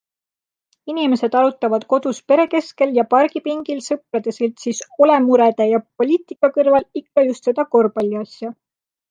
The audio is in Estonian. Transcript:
Inimesed arutavad kodus pere keskel ja pargipingil sõprade seltsis olemurede ja poliitika kõrval ikka just seda korvpalliasja.